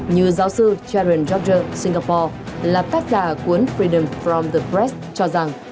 như giáo sư sharon george singapore là tác giả cuốn freedom from the press cho rằng